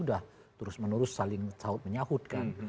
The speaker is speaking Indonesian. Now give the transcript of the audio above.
sudah terus menerus saling menyahutkan